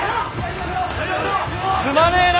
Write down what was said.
すまねぇな。